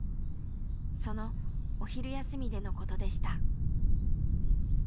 そのお昼休みでのことでした。